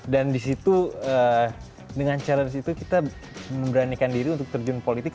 dan di situ dengan challenge itu kita memberanikan diri untuk terjun politik